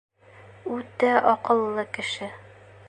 Үтә аҡыллы кеше.